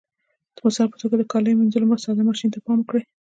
د مثال په توګه د کاليو منځلو ساده ماشین ته پام وکړئ.